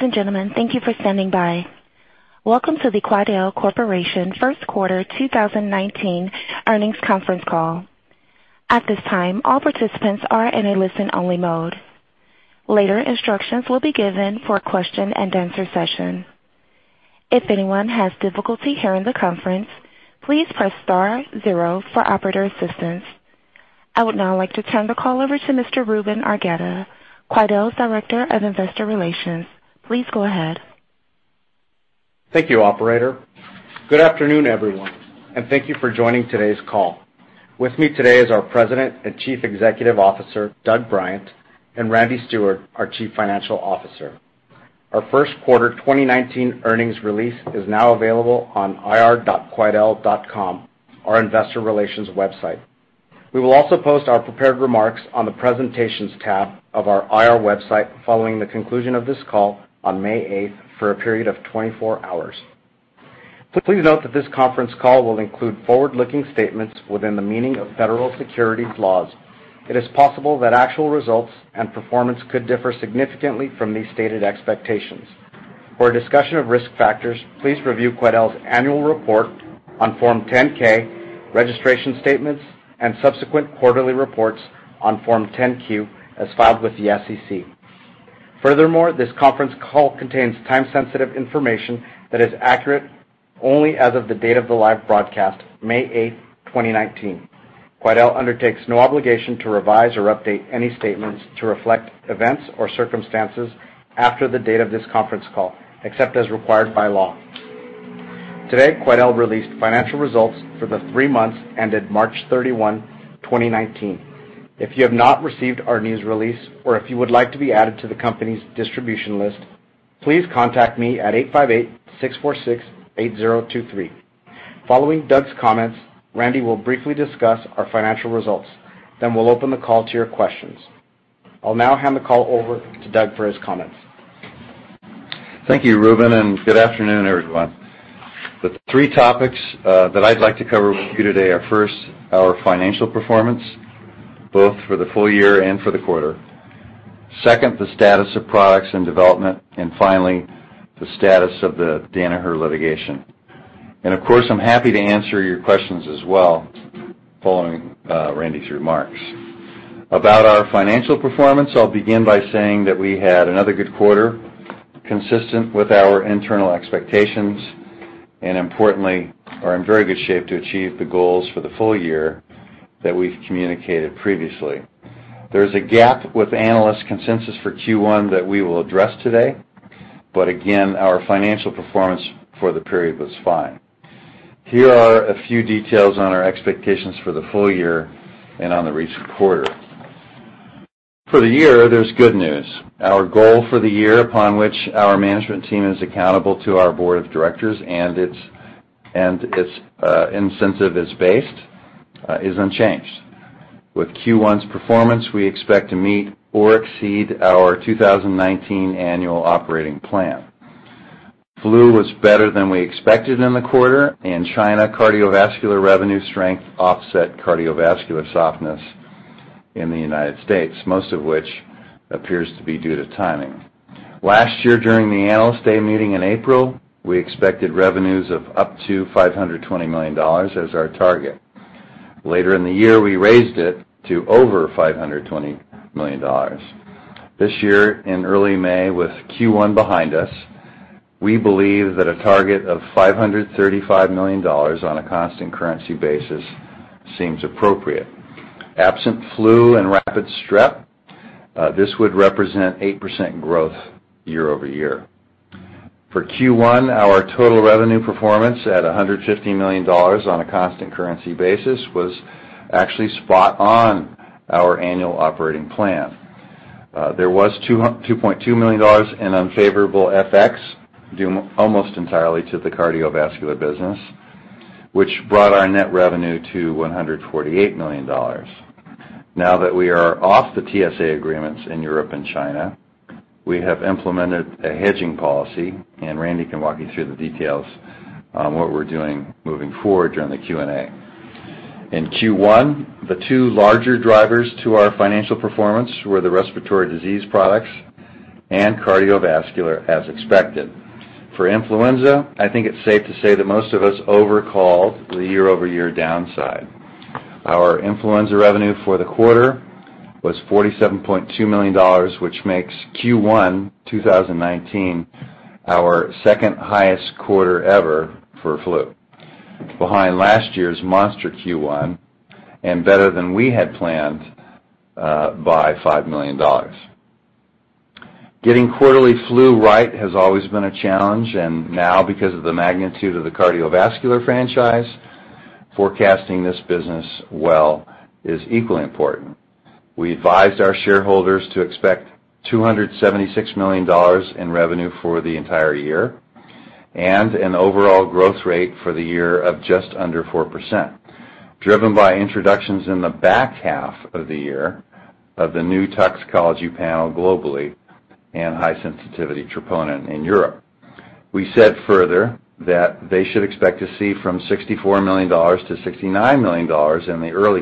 Ladies and gentlemen, thank you for standing by. Welcome to the QuidelOrtho Corporation First Quarter 2019 Earnings Conference Call. At this time, all participants are in a listen-only mode. Later, instructions will be given for a question and answer session. If anyone has difficulty hearing the conference, please press star zero for operator assistance. I would now like to turn the call over to Mr. Ruben Argueta, Quidel's Director of Investor Relations. Please go ahead. Thank you, operator. Good afternoon, everyone, and thank you for joining today's call. With me today is our President and Chief Executive Officer, Douglas Bryant, and Randy Steward, our Chief Financial Officer. Our First Quarter 2019 earnings release is now available on ir.quidel.com, our investor relations website. We will also post our prepared remarks on the presentations tab of our IR website following the conclusion of this call on May 8th, for a period of 24 hours. Please note that this conference call will include forward-looking statements within the meaning of federal securities laws. It is possible that actual results and performance could differ significantly from these stated expectations. For a discussion of risk factors, please review Quidel's annual report on Form 10-K, registration statements, and subsequent quarterly reports on Form 10-Q as filed with the SEC. Furthermore, this conference call contains time-sensitive information that is accurate only as of the date of the live broadcast, May 8th, 2019. Quidel undertakes no obligation to revise or update any statements to reflect events or circumstances after the date of this conference call, except as required by law. Today, Quidel released financial results for the three months ended March 31, 2019. If you have not received our news release or if you would like to be added to the company's distribution list, please contact me at 858-646-8023. Following Doug's comments, Randy will briefly discuss our financial results. We'll open the call to your questions. I'll now hand the call over to Doug for his comments. Thank you, Ruben, and good afternoon, everyone. The three topics that I'd like to cover with you today are, first, our financial performance, both for the full year and for the quarter. Second, the status of products and development. Finally, the status of the Danaher litigation. Of course, I'm happy to answer your questions as well following Randy's remarks. About our financial performance, I'll begin by saying that we had another good quarter consistent with our internal expectations, and importantly, are in very good shape to achieve the goals for the full year that we've communicated previously. There is a gap with analyst consensus for Q1 that we will address today. Again, our financial performance for the period was fine. Here are a few details on our expectations for the full year and on the recent quarter. For the year, there's good news. Our goal for the year, upon which our management team is accountable to our board of directors and its incentive is based, is unchanged. With Q1's performance, we expect to meet or exceed our 2019 annual operating plan. Flu was better than we expected in the quarter. In China, cardiovascular revenue strength offset cardiovascular softness in the U.S., most of which appears to be due to timing. Last year, during the Analyst Day meeting in April, we expected revenues of up to $520 million as our target. Later in the year, we raised it to over $520 million. This year, in early May, with Q1 behind us, we believe that a target of $535 million on a constant currency basis seems appropriate. Absent flu and rapid strep, this would represent 8% growth year-over-year. For Q1, our total revenue performance at $150 million on a constant currency basis was actually spot on our annual operating plan. There was $2.2 million in unfavorable FX due almost entirely to the cardiovascular business, which brought our net revenue to $148 million. Now that we are off the TSA agreements in Europe and China, we have implemented a hedging policy. Randy can walk you through the details on what we're doing moving forward during the Q&A. In Q1, the two larger drivers to our financial performance were the respiratory disease products and cardiovascular as expected. For influenza, I think it's safe to say that most of us overcalled the year-over-year downside. Our influenza revenue for the quarter was $47.2 million, which makes Q1 2019 our second highest quarter ever for flu, behind last year's monster Q1 and better than we had planned by $5 million. Getting quarterly flu right has always been a challenge. Now because of the magnitude of the cardiovascular franchise, forecasting this business well is equally important. We advised our shareholders to expect $276 million in revenue for the entire year and an overall growth rate for the year of just under 4%, driven by introductions in the back half of the year of the new toxicology panel globally and high-sensitivity troponin in Europe. We said further that they should expect to see from $64 million-$69 million in the early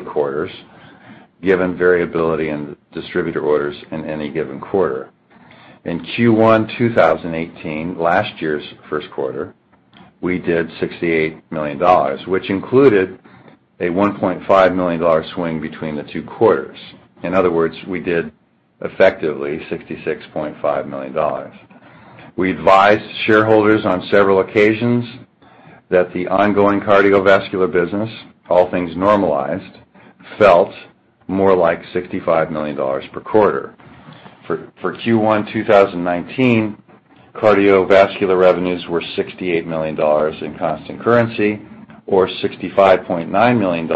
quarters, given variability in distributor orders in any given quarter. In Q1 2018, last year's first quarter, we did $68 million, which included a $1.5 million swing between the two quarters. In other words, we did effectively $66.5 million. We advised shareholders on several occasions that the ongoing cardiovascular business, all things normalized, felt more like $65 million per quarter. For Q1 2019, cardiovascular revenues were $68 million in constant currency or $65.9 million,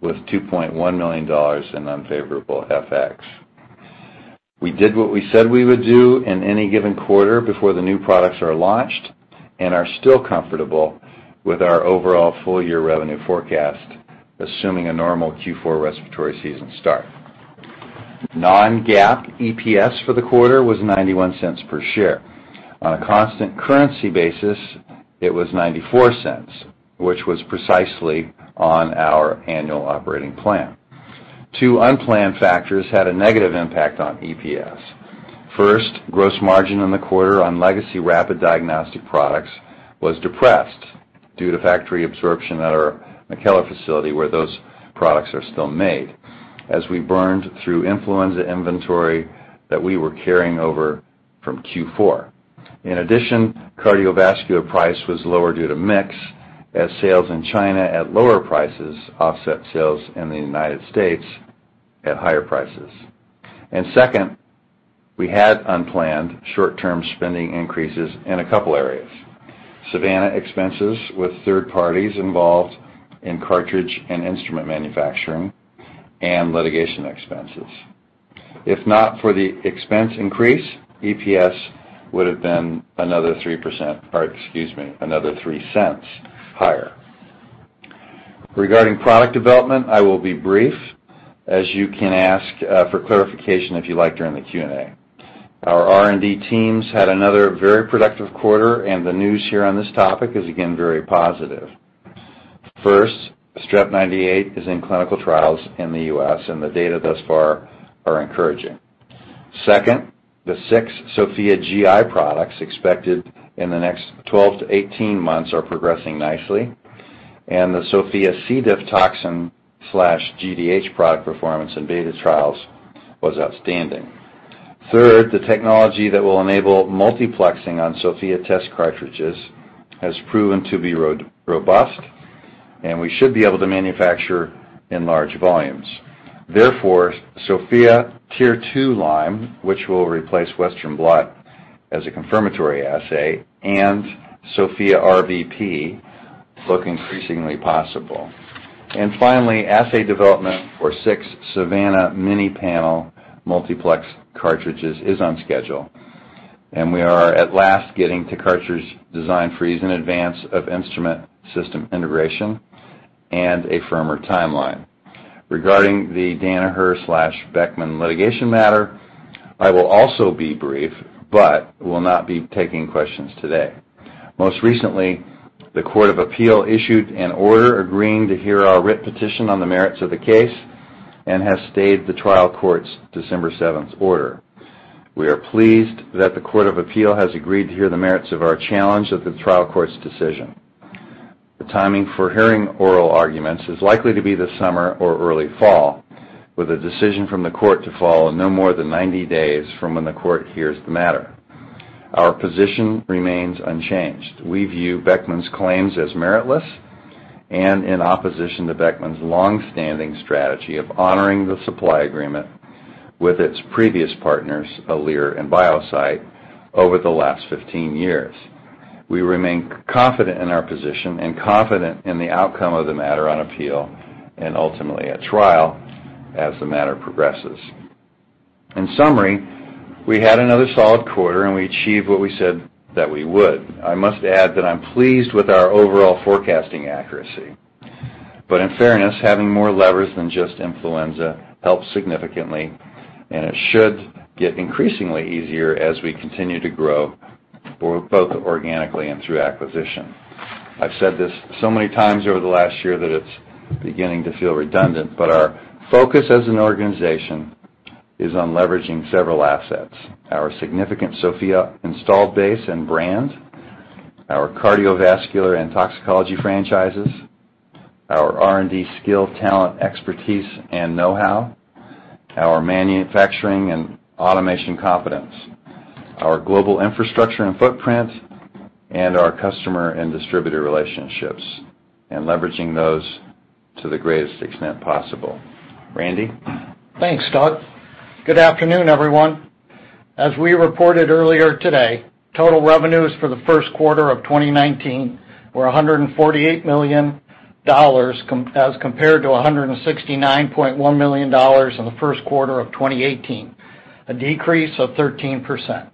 with $2.1 million in unfavorable FX. We did what we said we would do in any given quarter before the new products are launched and are still comfortable with our overall full-year revenue forecast, assuming a normal Q4 respiratory season start. Non-GAAP EPS for the quarter was $0.91 per share. On a constant currency basis, it was $0.94, which was precisely on our annual operating plan. Two unplanned factors had a negative impact on EPS. First, gross margin in the quarter on legacy rapid diagnostic products was depressed due to factory absorption at our McKellar facility where those products are still made, as we burned through influenza inventory that we were carrying over from Q4. In addition, cardiovascular price was lower due to mix, as sales in China at lower prices offset sales in the United States at higher prices. Second, we had unplanned short-term spending increases in a couple areas. Savanna expenses with third parties involved in cartridge and instrument manufacturing and litigation expenses. If not for the expense increase, EPS would have been another 3% or, excuse me, another $0.03 higher. Regarding product development, I will be brief, as you can ask for clarification if you like during the Q&A. Our R&D teams had another very productive quarter and the news here on this topic is again very positive. First, Strep98 is in clinical trials in the U.S. and the data thus far are encouraging. Second, the 6 Sofia GI products expected in the next 12-18 months are progressing nicely, and the Sofia C.diff toxin/GDH product performance in beta trials was outstanding. Third, the technology that will enable multiplexing on Sofia test cartridges has proven to be robust, and we should be able to manufacture in large volumes. Therefore, Sofia Tier 2 Lyme, which will replace Western Blot as a confirmatory assay, and Sofia RVP look increasingly possible. Finally, assay development for six Savanna mini-panel multiplex cartridges is on schedule, and we are at last getting to cartridge design freeze in advance of instrument system integration and a firmer timeline. Regarding the Danaher/Beckman litigation matter, I will also be brief but will not be taking questions today. Most recently, the Court of Appeal issued an order agreeing to hear our writ petition on the merits of the case and has stayed the trial court's December 7th order. We are pleased that the Court of Appeal has agreed to hear the merits of our challenge of the trial court's decision. The timing for hearing oral arguments is likely to be this summer or early fall, with a decision from the court to follow in no more than 90 days from when the court hears the matter. Our position remains unchanged. We view Beckman's claims as meritless and in opposition to Beckman's long-standing strategy of honoring the supply agreement with its previous partners, Alere and Biosite, over the last 15 years. We remain confident in our position and confident in the outcome of the matter on appeal and ultimately at trial as the matter progresses. In summary, we had another solid quarter. We achieved what we said that we would. I must add that I'm pleased with our overall forecasting accuracy. In fairness, having more levers than just influenza helped significantly. It should get increasingly easier as we continue to grow both organically and through acquisition. I've said this so many times over the last year that it's beginning to feel redundant. Our focus as an organization is on leveraging several assets. Our significant Sofia install base and brand, our cardiovascular and toxicology franchises, our R&D skill, talent, expertise and knowhow, our manufacturing and automation competence, our global infrastructure and footprint, our customer and distributor relationships, and leveraging those to the greatest extent possible. Randy? Thanks, Doug. Good afternoon, everyone. As we reported earlier today, total revenues for the first quarter of 2019 were $148 million as compared to $169.1 million in the first quarter of 2018, a decrease of 13%.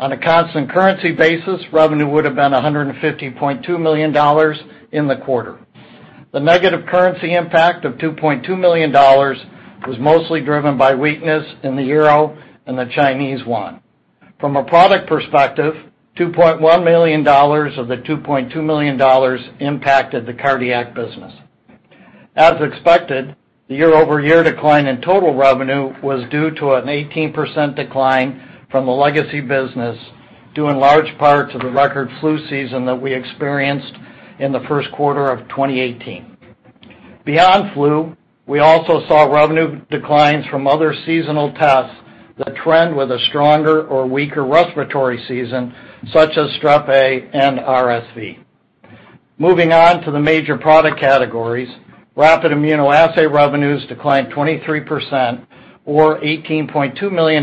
On a constant currency basis, revenue would have been $150.2 million in the quarter. The negative currency impact of $2.2 million was mostly driven by weakness in the euro and the Chinese yuan. From a product perspective, $2.1 million of the $2.2 million impacted the cardiac business. As expected, the year-over-year decline in total revenue was due to an 18% decline from the legacy business, due in large part to the record flu season that we experienced in the first quarter of 2018. Beyond flu, we also saw revenue declines from other seasonal tests that trend with a stronger or weaker respiratory season, such as Strep A and RSV. Moving on to the major product categories, rapid immunoassay revenues declined 23%, or $18.2 million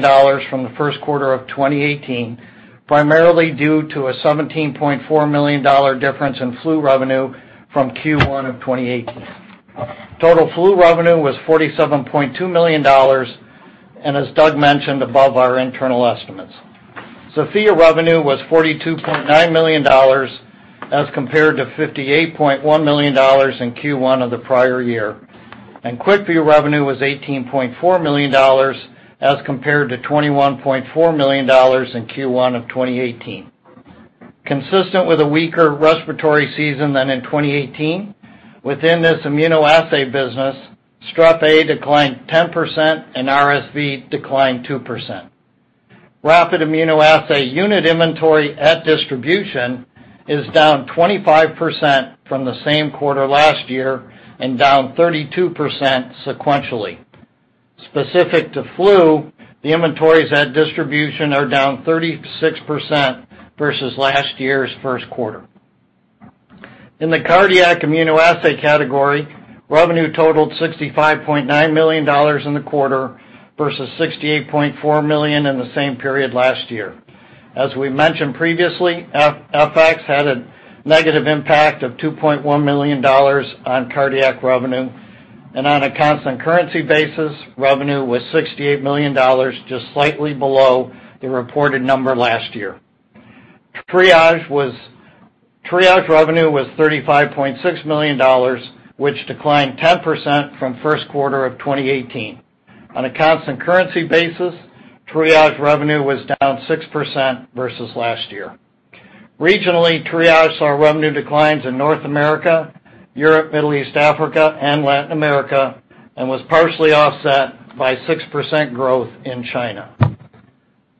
from the first quarter of 2018, primarily due to a $17.4 million difference in flu revenue from Q1 of 2018. Total flu revenue was $47.2 million, and as Doug mentioned, above our internal estimates. Sofia revenue was $42.9 million as compared to $58.1 million in Q1 of the prior year, and QuickVue revenue was $18.4 million as compared to $21.4 million in Q1 of 2018. Consistent with a weaker respiratory season than in 2018, within this immunoassay business, Strep A declined 10% and RSV declined 2%. Rapid immunoassay unit inventory at distribution is down 25% from the same quarter last year and down 32% sequentially. Specific to flu, the inventories at distribution are down 36% versus last year's first quarter. In the cardiac immunoassay category, revenue totaled $65.9 million in the quarter versus $68.4 million in the same period last year. As we mentioned previously, FX had a negative impact of $2.1 million on cardiac revenue, and on a constant currency basis, revenue was $68 million, just slightly below the reported number last year. Triage revenue was $35.6 million, which declined 10% from first quarter of 2018. On a constant currency basis, Triage revenue was down 6% versus last year. Regionally, Triage saw revenue declines in North America, Europe, Middle East, Africa, and Latin America, and was partially offset by 6% growth in China.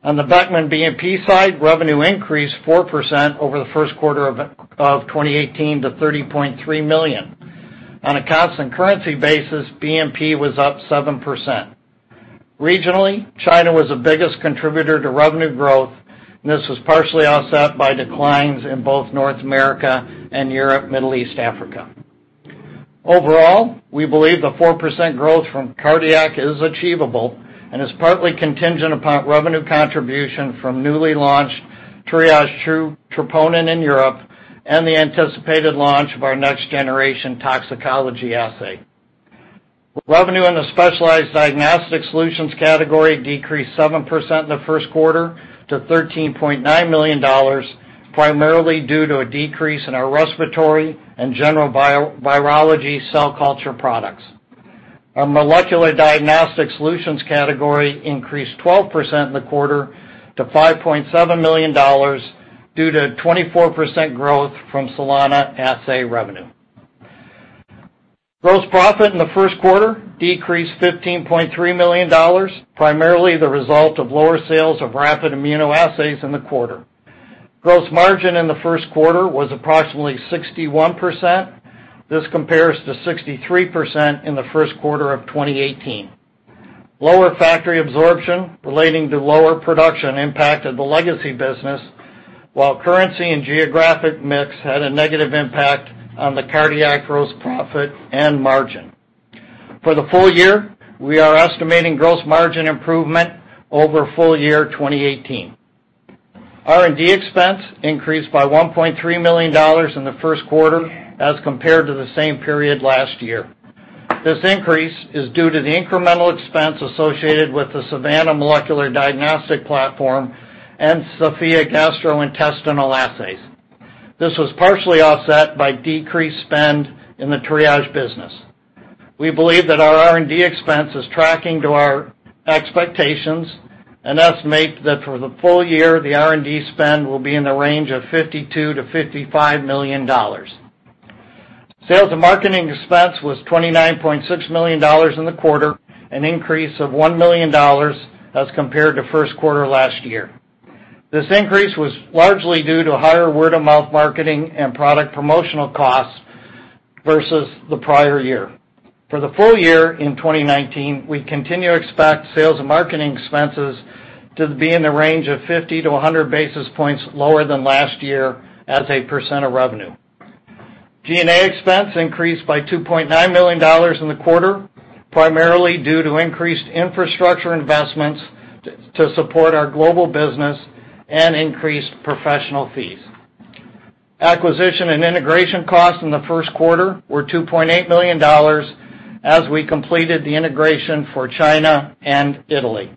On the Beckman BNP side, revenue increased 4% over the first quarter of 2018 to $30.3 million. On a constant currency basis, BNP was up 7%. Regionally, China was the biggest contributor to revenue growth. This was partially offset by declines in both North America and Europe, Middle East, Africa. Overall, we believe the 4% growth from cardiac is achievable and is partly contingent upon revenue contribution from newly launched Triage troponin in Europe and the anticipated launch of our next-generation toxicology assay. Revenue in the specialized diagnostic solutions category decreased 7% in the first quarter to $13.9 million, primarily due to a decrease in our respiratory and general virology cell culture products. Our molecular diagnostic solutions category increased 12% in the quarter to $5.7 million due to 24% growth from Solana assay revenue. Gross profit in the first quarter decreased $15.3 million, primarily the result of lower sales of rapid immunoassays in the quarter. Gross margin in the first quarter was approximately 61%. This compares to 63% in the first quarter of 2018. Lower factory absorption relating to lower production impacted the legacy business, while currency and geographic mix had a negative impact on the cardiac gross profit and margin. For the full year, we are estimating gross margin improvement over full year 2018. R&D expense increased by $1.3 million in the first quarter as compared to the same period last year. This increase is due to the incremental expense associated with the Savanna molecular diagnostic platform and Sofia gastrointestinal assays. This was partially offset by decreased spend in the Triage business. We believe that our R&D expense is tracking to our expectations and estimate that for the full year, the R&D spend will be in the range of $52 million to $55 million. Sales and marketing expense was $29.6 million in the quarter, an increase of $1 million as compared to first quarter last year. This increase was largely due to higher word-of-mouth marketing and product promotional costs versus the prior year. For the full year in 2019, we continue to expect sales and marketing expenses to be in the range of 50 to 100 basis points lower than last year as a percent of revenue. G&A expense increased by $2.9 million in the quarter, primarily due to increased infrastructure investments to support our global business and increased professional fees. Acquisition and integration costs in the first quarter were $2.8 million as we completed the integration for China and Italy.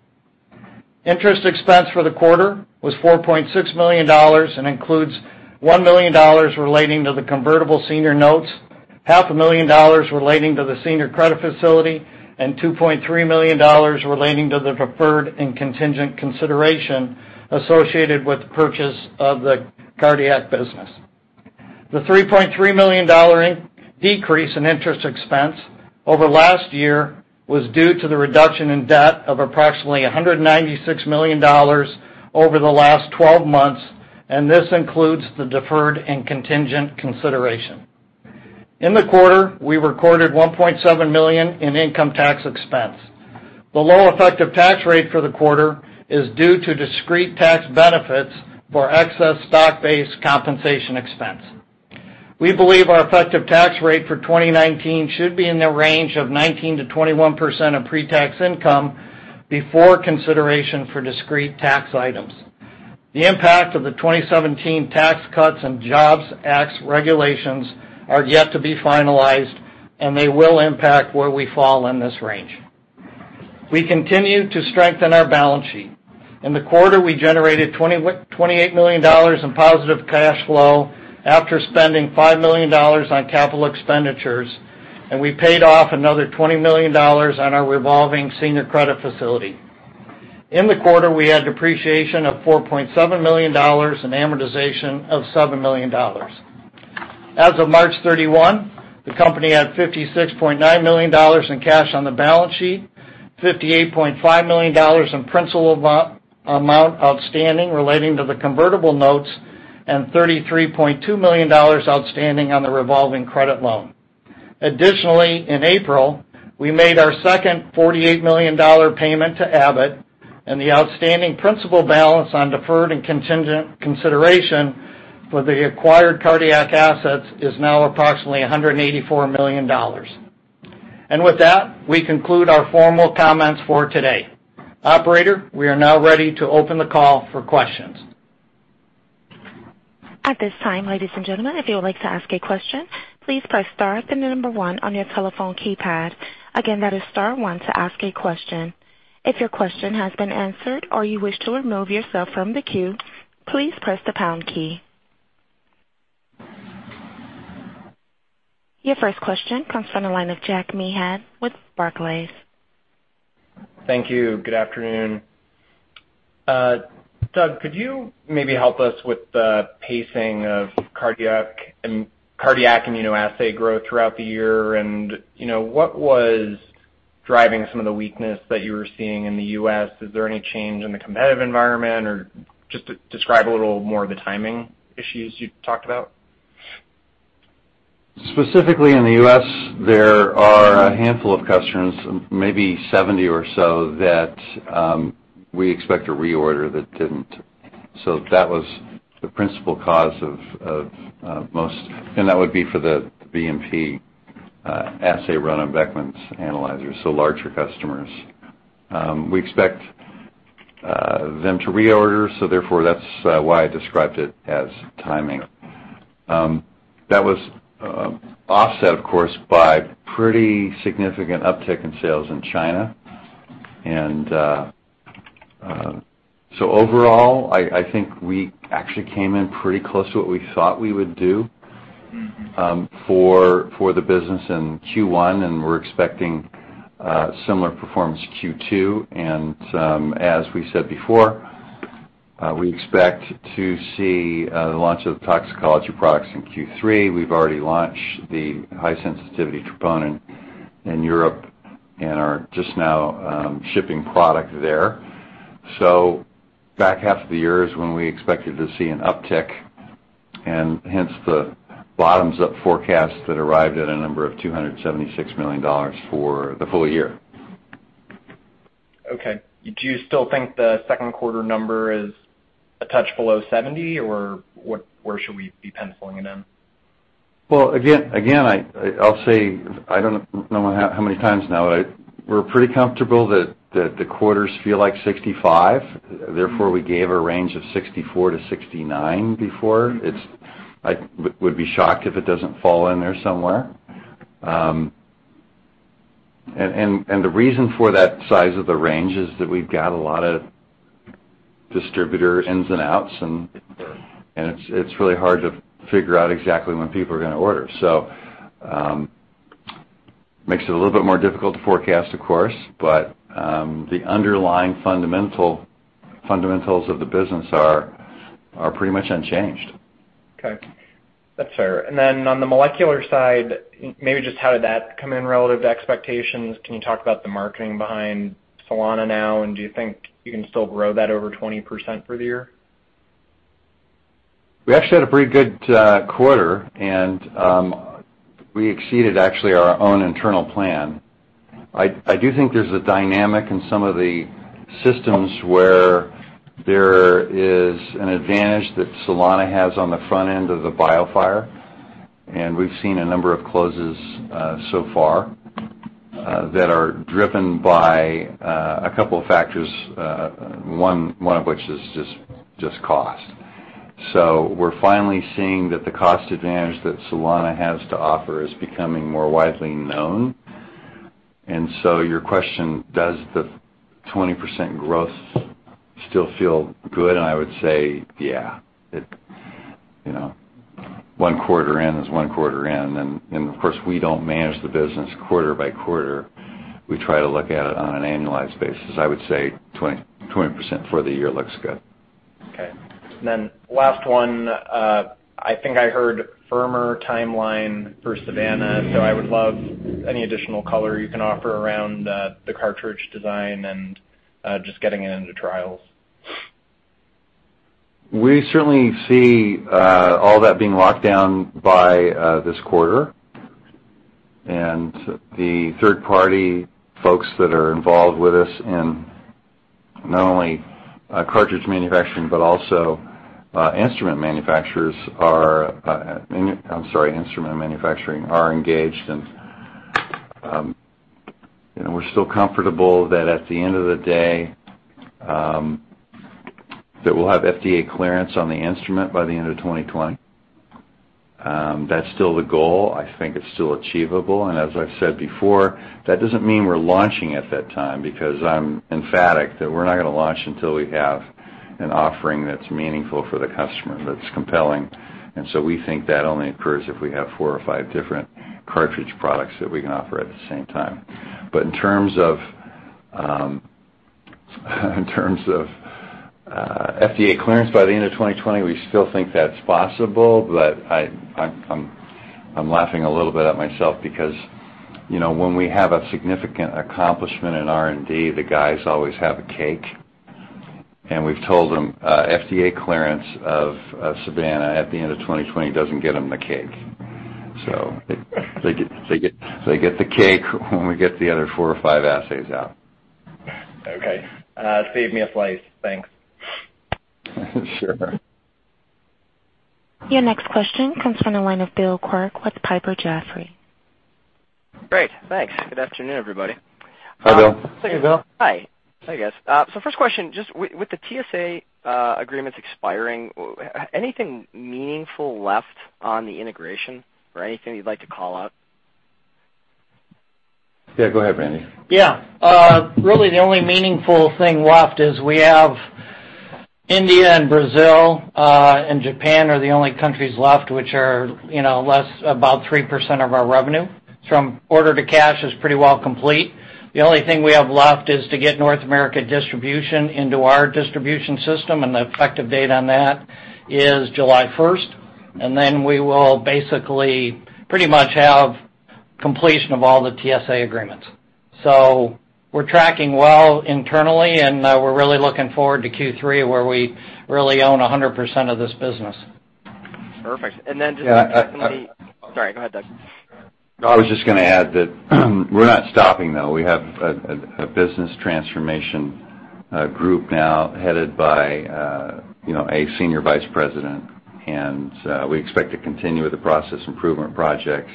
Interest expense for the quarter was $4.6 million and includes $1 million relating to the convertible senior notes, half a million dollars relating to the senior credit facility, and $2.3 million relating to the deferred and contingent consideration associated with the purchase of the cardiac business. The $3.3 million decrease in interest expense over last year was due to the reduction in debt of approximately $196 million over the last 12 months, and this includes the deferred and contingent consideration. In the quarter, we recorded $1.7 million in income tax expense. The low effective tax rate for the quarter is due to discrete tax benefits for excess stock-based compensation expense. We believe our effective tax rate for 2019 should be in the range of 19%-21% of pre-tax income before consideration for discrete tax items. The impact of the 2017 Tax Cuts and Jobs Act regulations are yet to be finalized, and they will impact where we fall in this range. We continue to strengthen our balance sheet. In the quarter, we generated $28 million in positive cash flow after spending $5 million on capital expenditures, we paid off another $20 million on our revolving senior credit facility. In the quarter, we had depreciation of $4.7 million and amortization of $7 million. As of March 31, the company had $56.9 million in cash on the balance sheet, $58.5 million in principal amount outstanding relating to the convertible notes, and $33.2 million outstanding on the revolving credit loan. Additionally, in April, we made our second $48 million payment to Abbott, and the outstanding principal balance on deferred and contingent consideration for the acquired cardiac assets is now approximately $184 million. With that, we conclude our formal comments for today. Operator, we are now ready to open the call for questions. At this time, ladies and gentlemen, if you would like to ask a question, please press star then the number one on your telephone keypad. Again, that is star one to ask a question. If your question has been answered or you wish to remove yourself from the queue, please press the pound key. Your first question comes from the line of Jack Meehan with Barclays. Thank you. Good afternoon. Doug, could you maybe help us with the pacing of cardiac and cardiac immunoassay growth throughout the year? What was driving some of the weakness that you were seeing in the U.S.? Is there any change in the competitive environment? Just describe a little more of the timing issues you talked about. Specifically in the U.S., there are a handful of customers, maybe 70 or so, that we expect to reorder that didn't. That would be for the BNP assay run on Beckman's analyzers, so larger customers. We expect them to reorder, therefore, that's why I described it as timing. That was offset, of course, by pretty significant uptick in sales in China. Overall, I think we actually came in pretty close to what we thought we would do for the business in Q1, and we're expecting similar performance Q2, and as we said before we expect to see the launch of toxicology products in Q3. We've already launched the high-sensitivity troponin in Europe and are just now shipping product there. Back half of the year is when we expected to see an uptick, and hence the bottoms-up forecast that arrived at a number of $276 million for the full year. Okay. Do you still think the second quarter number is a touch below $70, or where should we be penciling it in? Well, again, I'll say, I don't know how many times now, we're pretty comfortable that the quarters feel like $65, therefore, we gave a range of $64 to $69 before. I would be shocked if it doesn't fall in there somewhere. The reason for that size of the range is that we've got a lot of distributor ins and outs, and it's really hard to figure out exactly when people are going to order. Makes it a little bit more difficult to forecast, of course, but the underlying fundamentals of the business are pretty much unchanged. Okay. That's fair. Then on the molecular side, maybe just how did that come in relative to expectations? Can you talk about the marketing behind Solana now? Do you think you can still grow that over 20% for the year? We actually had a pretty good quarter, and we exceeded actually our own internal plan. I do think there's a dynamic in some of the systems where there is an advantage that Solana has on the front end of the BioFire, and we've seen a number of closes so far that are driven by a couple of factors, one of which is just cost We're finally seeing that the cost advantage that Solana has to offer is becoming more widely known. Your question, does the 20% growth still feel good? I would say, yeah. One quarter in is one quarter in, and of course, we don't manage the business quarter by quarter. We try to look at it on an annualized basis. I would say 20% for the year looks good. Okay. Last one. I think I heard firmer timeline for Savanna. I would love any additional color you can offer around the cartridge design and just getting it into trials. We certainly see all that being locked down by this quarter. The third-party folks that are involved with us in not only cartridge manufacturing but also instrument manufacturers are engaged, and we're still comfortable that at the end of the day, that we'll have FDA clearance on the instrument by the end of 2020. That's still the goal. I think it's still achievable, and as I've said before, that doesn't mean we're launching at that time because I'm emphatic that we're not going to launch until we have an offering that's meaningful for the customer, that's compelling. We think that only occurs if we have four or five different cartridge products that we can offer at the same time. In terms of FDA clearance by the end of 2020, we still think that's possible. I'm laughing a little bit at myself because when we have a significant accomplishment in R&D, the guys always have a cake, and we've told them FDA clearance of Savanna at the end of 2020 doesn't get them the cake. They get the cake when we get the other four or five assays out. Okay. Save me a slice. Thanks. Sure. Your next question comes from the line of William Quirk with Piper Jaffray. Great. Thanks. Good afternoon, everybody. Hi, Bill. Hey, Bill. Hi. Hi, guys. First question, just with the TSA agreements expiring, anything meaningful left on the integration or anything you'd like to call out? Yeah, go ahead, Randy. Yeah. Really, the only meaningful thing left is we have India and Brazil, and Japan are the only countries left, which are less about 3% of our revenue. From order to cash is pretty well complete. The only thing we have left is to get North America distribution into our distribution system, and the effective date on that is July 1st. Then we will basically pretty much have completion of all the TSA agreements. We're tracking well internally, and we're really looking forward to Q3 where we really own 100% of this business. Perfect. Yeah, Sorry, go ahead, Doug. No, I was just going to add that we're not stopping, though. We have a business transformation group now headed by a senior vice president, and we expect to continue with the process improvement projects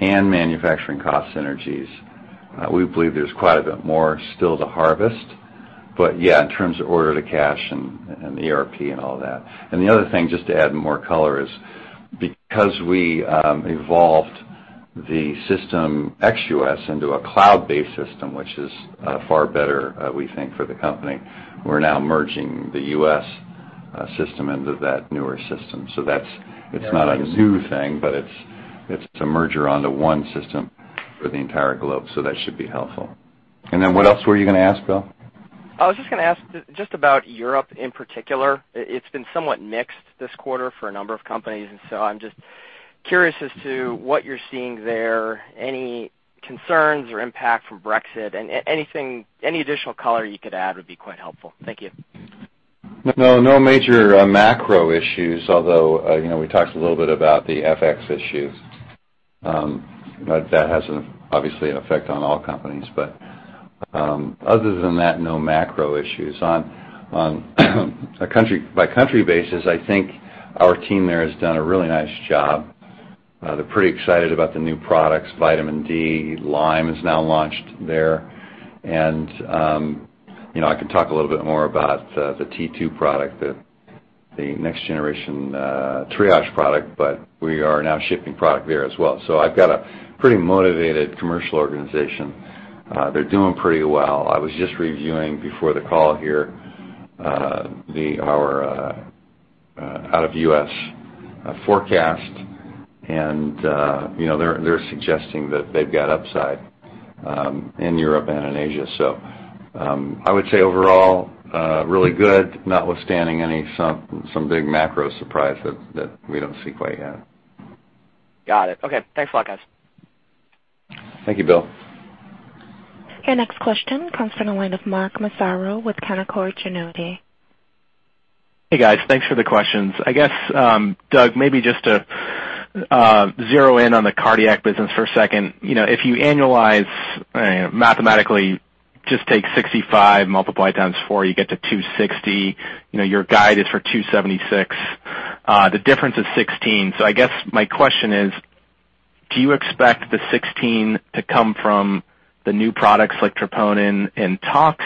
and manufacturing cost synergies. We believe there's quite a bit more still to harvest. Yeah, in terms of order to cash and the ERP and all that. The other thing, just to add more color, is because we evolved the system ex-U.S. into a cloud-based system, which is far better, we think, for the company, we're now merging the U.S. system into that newer system. It's not a new thing, but it's a merger onto one system for the entire globe. That should be helpful. Then what else were you going to ask, Bill? I was just going to ask just about Europe in particular. It's been somewhat mixed this quarter for a number of companies. I'm just curious as to what you're seeing there. Any concerns or impact from Brexit? Any additional color you could add would be quite helpful. Thank you. No major macro issues, although we talked a little bit about the FX issue. That has, obviously, an effect on all companies. Other than that, no macro issues. On a country by country basis, I think our team there has done a really nice job. They're pretty excited about the new products. Vitamin D, Lyme is now launched there. I can talk a little bit more about the T2 product, the next generation Triage product, but we are now shipping product there as well. I've got a pretty motivated commercial organization. They're doing pretty well. I was just reviewing before the call here our out of U.S. forecast, and they're suggesting that they've got upside in Europe and in Asia. I would say overall really good, notwithstanding some big macro surprise that we don't see quite yet. Got it. Okay. Thanks a lot, guys. Thank you, Bill. Your next question comes from the line of Mark Massaro with Canaccord Genuity. Hey, guys. Thanks for the questions. I guess, Doug, maybe just to zero in on the cardiac business for a second. If you annualize, mathematically, just take $65, multiply it times 4, you get to $260. Your guide is for $276. The difference is $16. I guess my question is, do you expect the $16 to come from the new products like troponin and tox?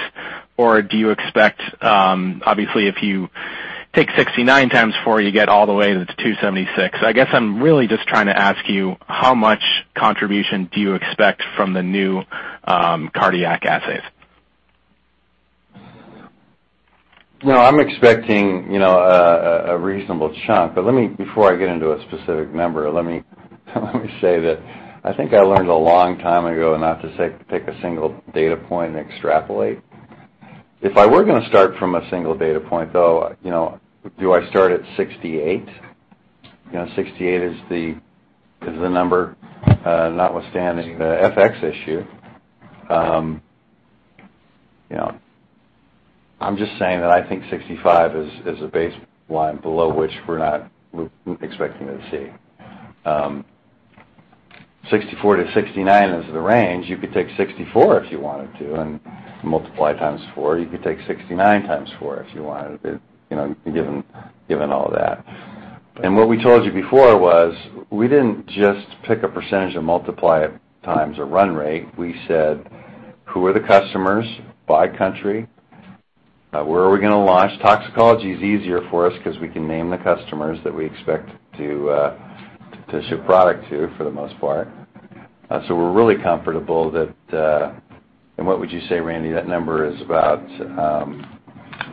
Or do you expect, obviously, if you take $69 times 4, you get all the way to the $276. I guess I'm really just trying to ask you, how much contribution do you expect from the new cardiac assays? No, I'm expecting a reasonable chunk. Before I get into a specific number, let me say that I think I learned a long time ago not to take a single data point and extrapolate. If I were going to start from a single data point, though, do I start at $68? $68 is the number, notwithstanding the FX issue. I'm just saying that I think $65 is a baseline below which we're not expecting to see. $64-$69 is the range. You could take $64 if you wanted to and multiply it times 4. You could take $69 times 4 if you wanted, given all that. What we told you before was we didn't just pick a percentage and multiply it times a run rate. We said, "Who are the customers by country? Where are we going to launch?" Toxicology is easier for us because we can name the customers that we expect to ship product to, for the most part. We're really comfortable that, and what would you say, Randy? That number is about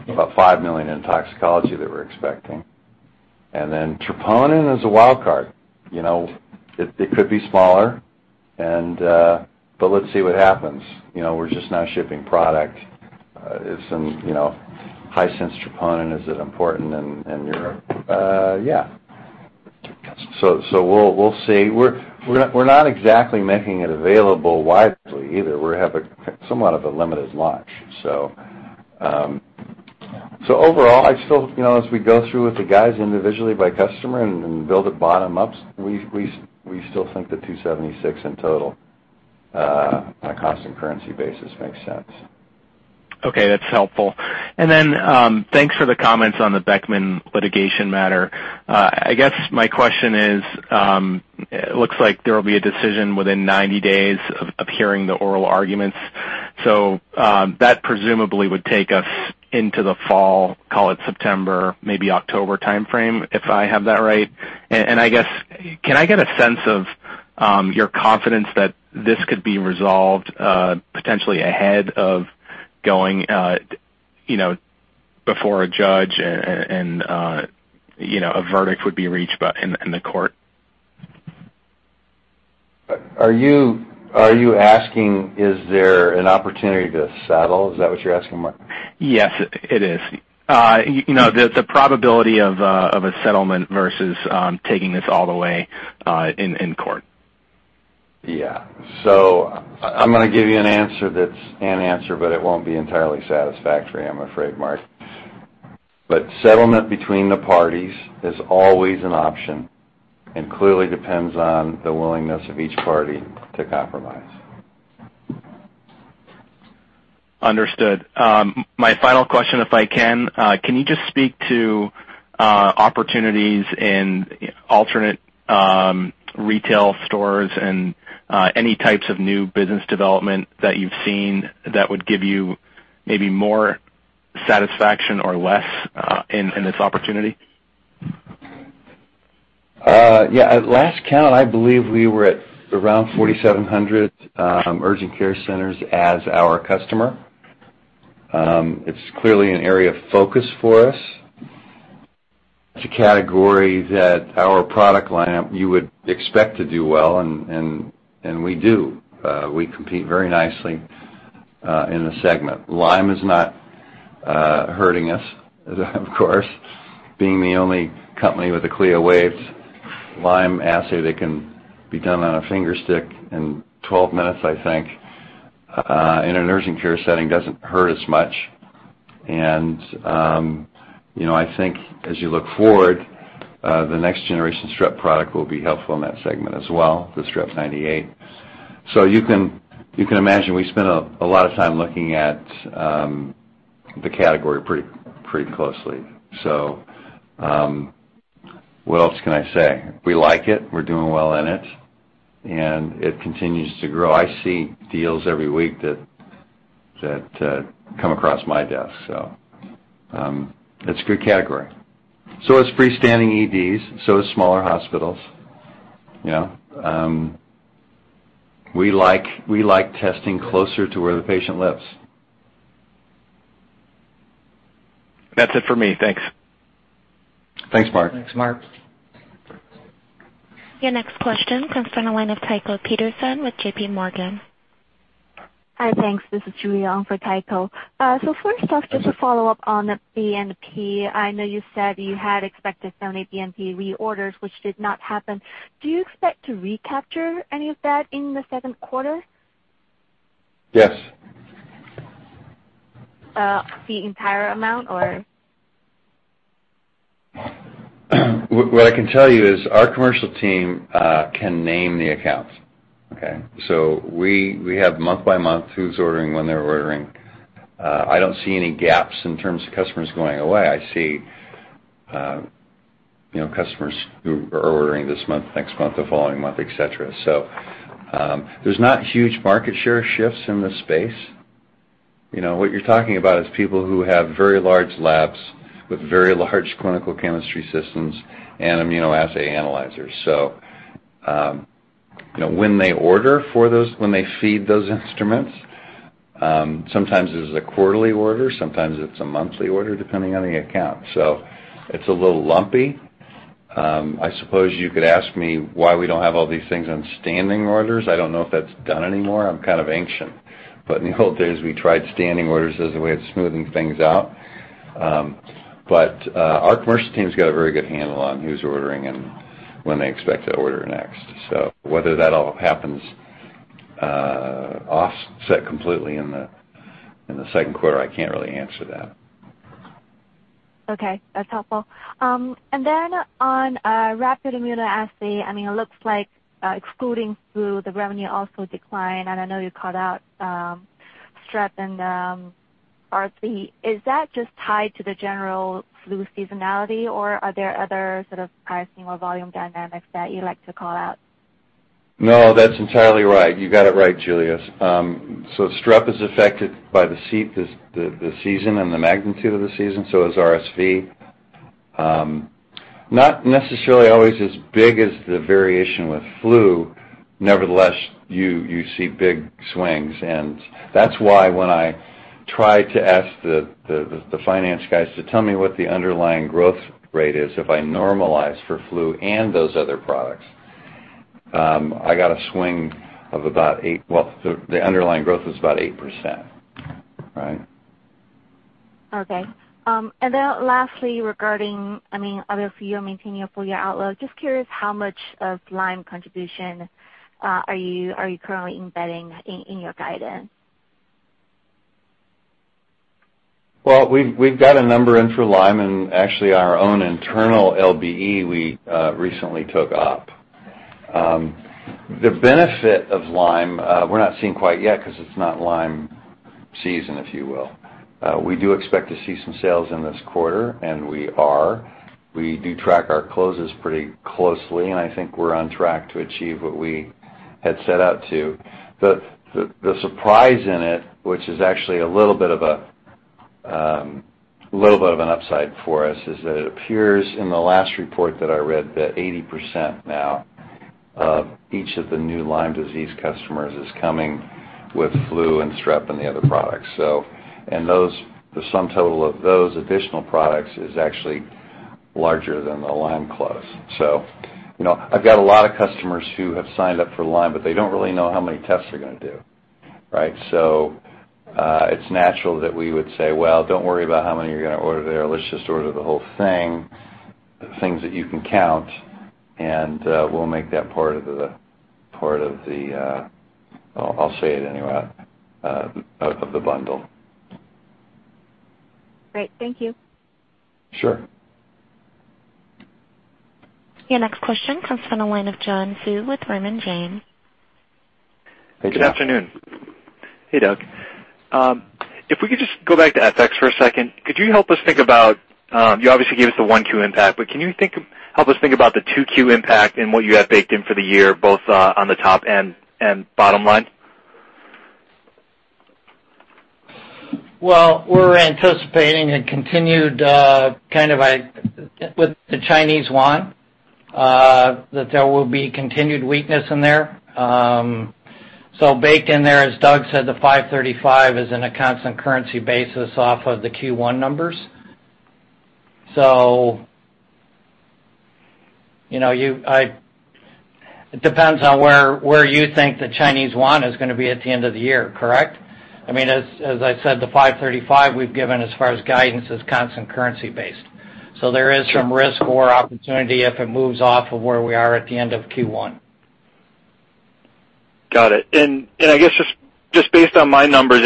$5 million in toxicology that we're expecting. Then troponin is a wild card. It could be smaller, but let's see what happens. We're just now shipping product. It's in high sense troponin. Is it important in Europe? Yeah. We'll see. We're not exactly making it available widely either. We have somewhat of a limited launch. Overall, as we go through with the guys individually by customer and build it bottom up, we still think the $276 in total on a constant currency basis makes sense. Okay, that's helpful. Thanks for the comments on the Beckman litigation matter. I guess my question is, it looks like there will be a decision within 90 days of hearing the oral arguments. That presumably would take us into the fall, call it September, maybe October timeframe, if I have that right. I guess, can I get a sense of your confidence that this could be resolved potentially ahead of going before a judge and a verdict would be reached in the court? Are you asking, is there an opportunity to settle? Is that what you're asking, Mark? Yes, it is. The probability of a settlement versus taking this all the way in court. Yeah. I'm going to give you an answer that's an answer, but it won't be entirely satisfactory, I'm afraid, Mark. Settlement between the parties is always an option and clearly depends on the willingness of each party to compromise. Understood. My final question, if I can. Can you just speak to opportunities in alternate retail stores and any types of new business development that you've seen that would give you maybe more satisfaction or less in this opportunity? Yeah. At last count, I believe we were at around 4,700 urgent care centers as our customer. It's clearly an area of focus for us. It's a category that our product lineup you would expect to do well, and we do. We compete very nicely in the segment. Lyme is not hurting us, of course, being the only company with a CLIA waived Lyme assay that can be done on a finger stick in 12 minutes, I think, in a nursing care setting doesn't hurt as much. I think as you look forward, the next generation strep product will be helpful in that segment as well, the Strep 98. You can imagine we spend a lot of time looking at the category pretty closely. What else can I say? We like it. We're doing well in it, and it continues to grow. I see deals every week that come across my desk. It's a good category. Is freestanding EDs, so is smaller hospitals. We like testing closer to where the patient lives. That's it for me. Thanks. Thanks, Mark. Thanks, Mark. Your next question comes from the line of Tycho Peterson with JPMorgan. Hi, thanks. This is Julie Young for Tycho. First off, just to follow up on BNP. I know you said you had expected some BNP reorders, which did not happen. Do you expect to recapture any of that in the second quarter? Yes. The entire amount or? What I can tell you is our commercial team can name the accounts. Okay? We have month by month who's ordering, when they're ordering. I don't see any gaps in terms of customers going away. I see customers who are ordering this month, next month, the following month, et cetera. There's not huge market share shifts in this space. What you're talking about is people who have very large labs with very large clinical chemistry systems and immunoassay analyzers. When they feed those instruments, sometimes it is a quarterly order, sometimes it's a monthly order, depending on the account. It's a little lumpy. I suppose you could ask me why we don't have all these things on standing orders. I don't know if that's done anymore. I'm kind of ancient, in the old days, we tried standing orders as a way of smoothing things out. Our commercial team's got a very good handle on who's ordering and when they expect to order next. Whether that all happens offset completely in the second quarter, I can't really answer that. Okay, that's helpful. Then on rapid immunoassay, it looks like excluding flu, the revenue also declined. I know you called out Strep A and RSV. Is that just tied to the general flu seasonality, or are there other sort of pricing or volume dynamics that you'd like to call out? No, that's entirely right. You got it right, Julie. Strep A is affected by the season and the magnitude of the season, so is RSV. Not necessarily always as big as the variation with flu. Nevertheless, you see big swings, and that's why when I try to ask the finance guys to tell me what the underlying growth rate is, if I normalize for flu and those other products, the underlying growth is about 8%, right? Lastly, regarding other field maintaining your full-year outlook, just curious how much of Lyme contribution are you currently embedding in your guidance? Well, we've got a number in for Lyme, and actually our own internal LBE we recently took up. The benefit of Lyme we're not seeing quite yet because it's not Lyme season, if you will. We do expect to see some sales in this quarter, and we are. We do track our closes pretty closely, and I think we're on track to achieve what we had set out to. The surprise in it, which is actually a little bit of an upside for us, is that it appears in the last report that I read that 80% now of each of the new Lyme disease customers is coming with flu and Strep A and the other products. The sum total of those additional products is actually larger than the Lyme close. I've got a lot of customers who have signed up for Lyme, but they don't really know how many tests they're going to do, right? It's natural that we would say, "Well, don't worry about how many you're going to order there. Let's just order the whole thing, the things that you can count, and we'll make that part of the" I'll say it anyway, out of the bundle. Great. Thank you. Sure. Your next question comes from the line of John Hsu with Raymond James. Good afternoon. Hey, Doug. If we could just go back to FX for a second, could you help us think about, you obviously gave us the 1 Q impact, but can you help us think about the 2 Q impact and what you have baked in for the year, both on the top and bottom line? Well, we're anticipating it continued with the Chinese yuan, that there will be continued weakness in there. Baked in there, as Doug said, the $535 is in a constant currency basis off of the Q1 numbers. It depends on where you think the Chinese yuan is going to be at the end of the year, correct? As I said, the $535 we've given as far as guidance is constant currency based. There is some risk or opportunity if it moves off of where we are at the end of Q1. Got it. I guess, just based on my numbers,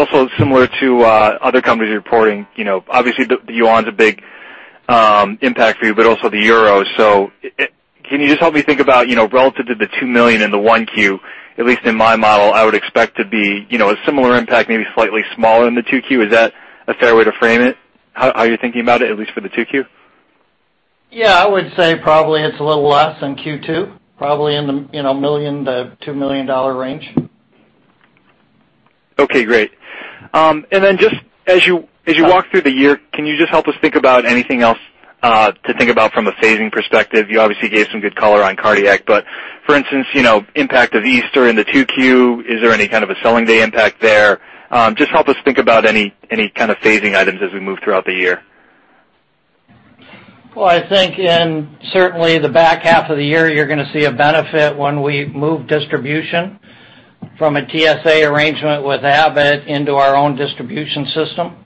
also similar to other companies reporting, obviously the yuan's a big impact for you, but also the euro. Can you just help me think about, relative to the $2 million in the one Q, at least in my model, I would expect to be a similar impact, maybe slightly smaller in the two Q. Is that a fair way to frame it? How are you thinking about it, at least for the two Q? I would say probably it's a little less in Q2, probably in the $1 million to $2 million range. Okay, great. Just as you walk through the year, can you just help us think about anything else to think about from a phasing perspective? You obviously gave some good color on cardiac, but for instance, impact of Easter in the 2Q, is there any kind of a selling day impact there? Just help us think about any kind of phasing items as we move throughout the year. I think in certainly the back half of the year, you're going to see a benefit when we move distribution from a TSA arrangement with Abbott into our own distribution system,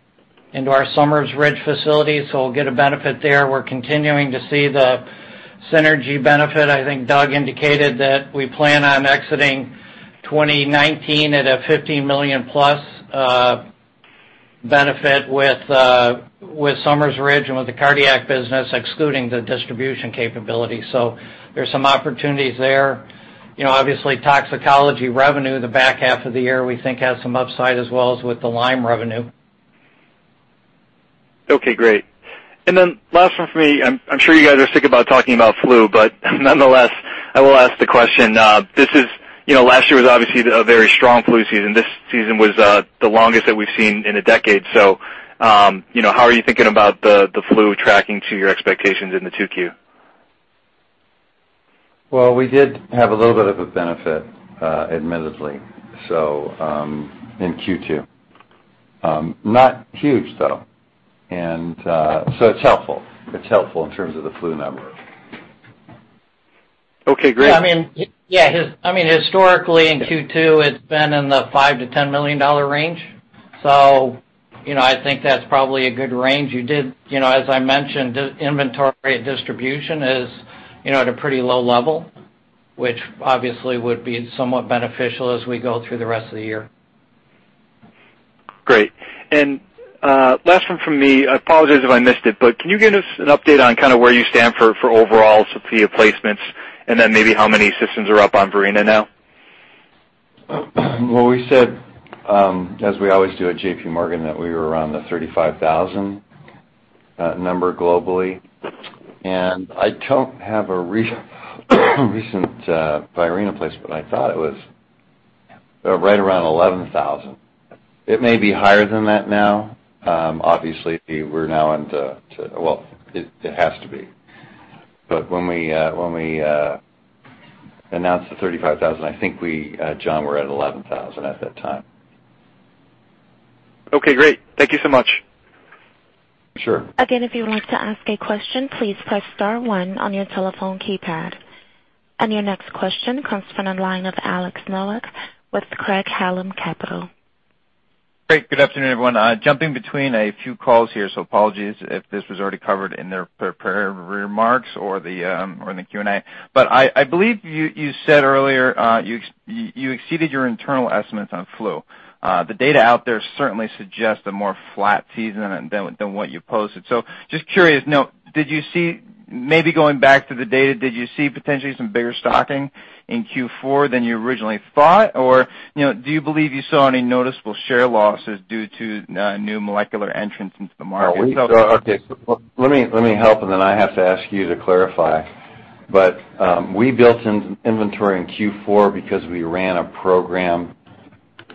into our Summers Ridge facility, we'll get a benefit there. We're continuing to see the synergy benefit. I think Doug indicated that we plan on exiting 2019 at a $15 million-plus benefit with Summers Ridge and with the cardiac business, excluding the distribution capability. There's some opportunities there. Obviously, toxicology revenue in the back half of the year we think has some upside as well as with the Lyme revenue. Okay, great. Last one for me, I'm sure you guys are sick about talking about flu, nonetheless, I will ask the question. Last year was obviously a very strong flu season. This season was the longest that we've seen in a decade. How are you thinking about the flu tracking to your expectations into 2Q? Well, we did have a little bit of a benefit, admittedly, in Q2. Not huge, though. It's helpful. It's helpful in terms of the flu number. Okay, great. Yeah. Historically, in Q2, it's been in the $5 million-$10 million range. I think that's probably a good range. As I mentioned, the inventory distribution is at a pretty low level, which obviously would be somewhat beneficial as we go through the rest of the year. Great. Last one from me, I apologize if I missed it, but can you give us an update on where you stand for overall Sofia placements, then maybe how many systems are up on Virena now? Well, we said, as we always do at JPMorgan, that we were around the 35,000 number globally. I don't have a recent Virena placement. I thought it was right around 11,000. It may be higher than that now. Obviously, well, it has to be. When we announced the 35,000, I think we, John, were at 11,000 at that time. Okay, great. Thank you so much. Sure. Again, if you would like to ask a question, please press star one on your telephone keypad. Your next question comes from the line of Alex Nowak with Craig-Hallum Capital. Great. Good afternoon, everyone. Jumping between a few calls here, apologies if this was already covered in the prepared remarks or in the Q&A. I believe you said earlier, you exceeded your internal estimates on flu. The data out there certainly suggests a more flat season than what you posted. Just curious now, maybe going back to the data, did you see potentially some bigger stocking in Q4 than you originally thought, or do you believe you saw any noticeable share losses due to new molecular entrants into the market? Okay. Let me help, then I have to ask you to clarify. We built inventory in Q4 because we ran a program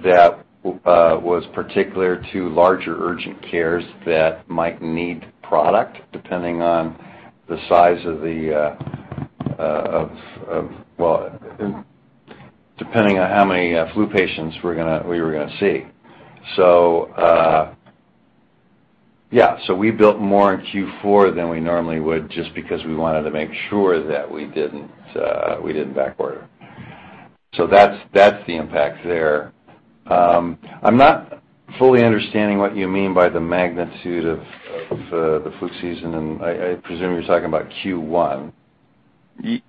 that was particular to larger urgent cares that might need product, depending on how many flu patients we were going to see. Yeah. We built more in Q4 than we normally would just because we wanted to make sure that we didn't backorder. That's the impact there. I'm not fully understanding what you mean by the magnitude of the flu season, I presume you're talking about Q1.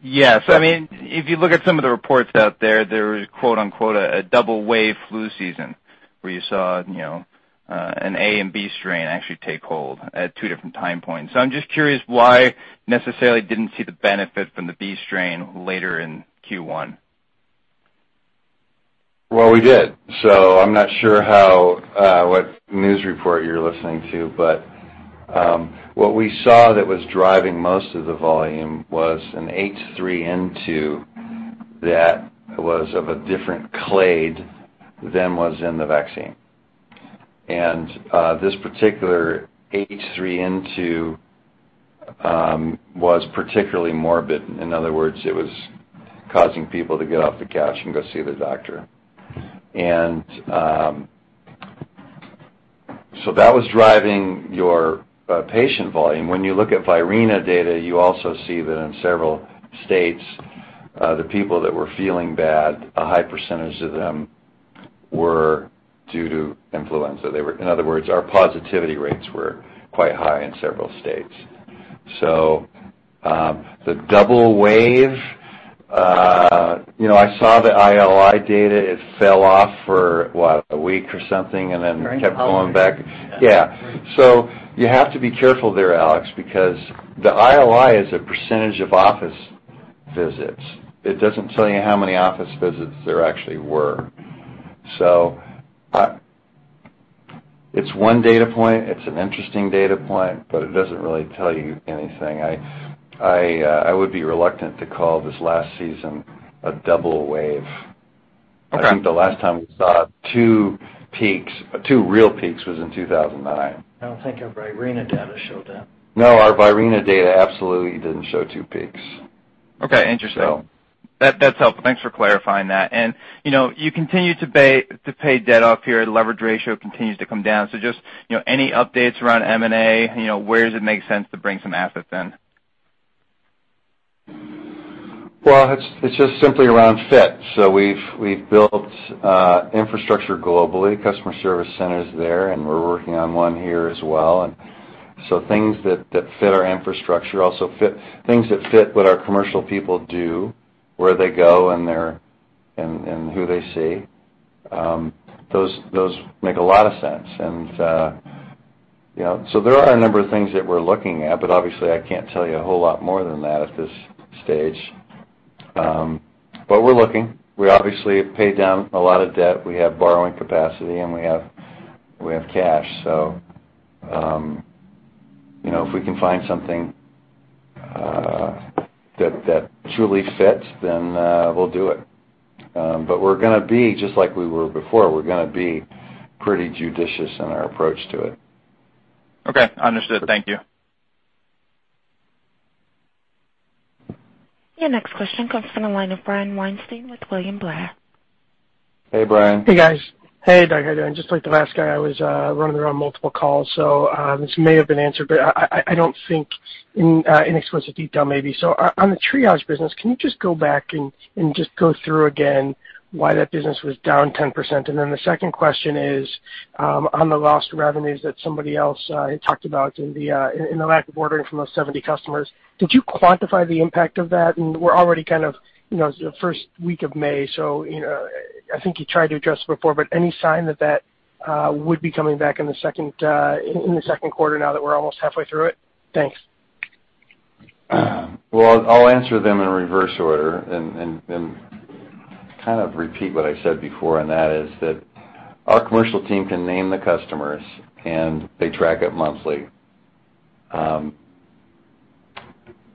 Yes. If you look at some of the reports out there was a quote unquote, "A double wave flu season" where you saw an A and B strain actually take hold at two different time points. I'm just curious why necessarily didn't see the benefit from the B strain later in Q1. Well, we did. I'm not sure what news report you're listening to, what we saw that was driving most of the volume was an H3N2 that was of a different clade than was in the vaccine. This particular H3N2 was particularly morbid. In other words, it was causing people to get off the couch and go see the doctor. That was driving your patient volume. When you look at Virena data, you also see that in several states, the people that were feeling bad, a high percentage of them were due to influenza. In other words, our positivity rates were quite high in several states. The double wave, I saw the ILI data. It fell off for, what, one week or something, then kept going back. Yeah. You have to be careful there, Alex, because the ILI is a percentage of office visits. It doesn't tell you how many office visits there actually were. It's one data point, it's an interesting data point, it doesn't really tell you anything. I would be reluctant to call this last season a double wave. Okay. I think the last time we saw two real peaks was in 2009. I don't think our Virena data showed that. No, our Virena data absolutely didn't show two peaks. Okay. Interesting. That's helpful. Thanks for clarifying that. You continue to pay debt off here. The leverage ratio continues to come down. Just any updates around M&A? Where does it make sense to bring some assets in? It's just simply around fit. We've built infrastructure globally, customer service centers there, and we're working on one here as well. Things that fit our infrastructure. Things that fit what our commercial people do, where they go, and who they see. Those make a lot of sense. There are a number of things that we're looking at, but obviously I can't tell you a whole lot more than that at this stage. We're looking. We obviously have paid down a lot of debt. We have borrowing capacity, and we have cash. If we can find something that truly fits, then we'll do it. We're going to be, just like we were before, we're going to be pretty judicious in our approach to it. Okay, understood. Thank you. Your next question comes from the line of Brian Weinstein with William Blair. Hey, Brian. Hey, guys. Hey, Doug. How are you doing? Just like the last guy, I was running around multiple calls, this may have been answered, but I don't think in explicit detail maybe. On the Triage business, can you just go back and just go through again why that business was down 10%? The second question is, on the lost revenues that somebody else had talked about in the lack of ordering from those 70 customers, did you quantify the impact of that? We're already kind of in the first week of May, I think you tried to address before, but any sign that that would be coming back in the second quarter now that we're almost halfway through it? Thanks. Well, I'll answer them in reverse order, kind of repeat what I said before, that is that our commercial team can name the customers, they track it monthly.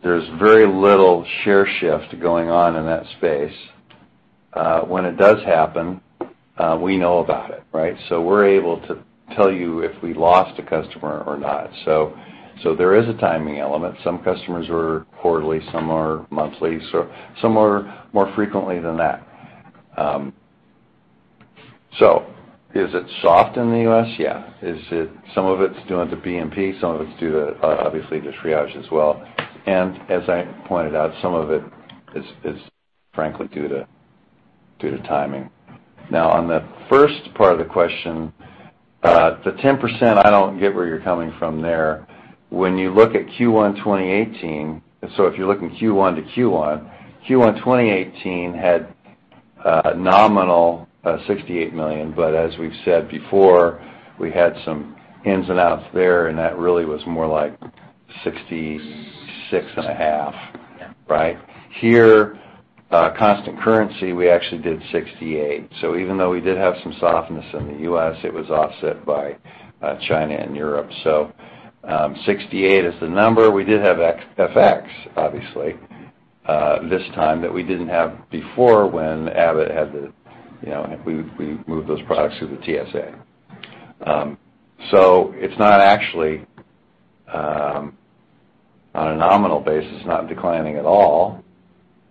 There's very little share shift going on in that space. When it does happen, we know about it, right? We're able to tell you if we lost a customer or not. There is a timing element. Some customers are quarterly, some are monthly, some are more frequently than that. Is it soft in the U.S.? Yeah. Some of it's due to BNP, some of it's due to, obviously, to Triage as well. As I pointed out, some of it is frankly due to timing. Now, on the first part of the question, the 10%, I don't get where you're coming from there. When you look at Q1 2018, if you're looking Q1 to Q1 2018 had a nominal $68 million, as we've said before, we had some ins and outs there, that really was more like 66 and a half. Right? Here, constant currency, we actually did $68. Even though we did have some softness in the U.S., it was offset by China and Europe. $68 is the number. We did have FX, obviously, this time that we didn't have before when Abbott had the-- We moved those products to the TSA. It's not actually, on a nominal basis, not declining at all.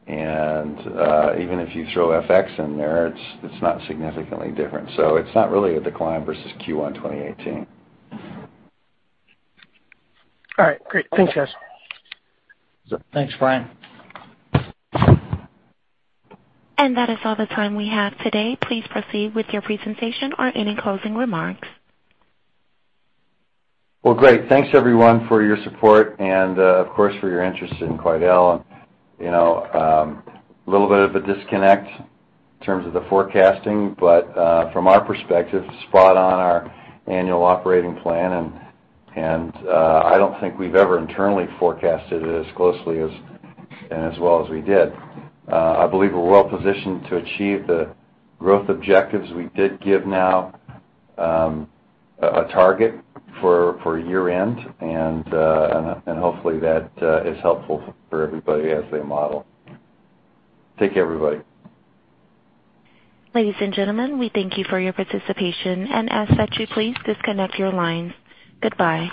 Even if you throw FX in there, it's not significantly different. It's not really a decline versus Q1 2018. All right, great. Thanks, guys. Thanks, Brian. That is all the time we have today. Please proceed with your presentation or any closing remarks. Well, great. Thanks everyone for your support and, of course, for your interest in Quidel. A little bit of a disconnect in terms of the forecasting, but from our perspective, spot on our annual operating plan, and I don't think we've ever internally forecasted it as closely and as well as we did. I believe we're well positioned to achieve the growth objectives. We did give now a target for year-end, and hopefully that is helpful for everybody as they model. Take care, everybody. Ladies and gentlemen, we thank you for your participation and ask that you please disconnect your lines. Goodbye.